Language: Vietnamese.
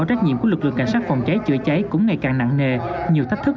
trách nhiệm của lực lượng cảnh sát phòng cháy chữa cháy cũng ngày càng nặng nề nhiều thách thức